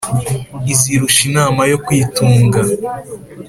izirusha inama yo kwitunga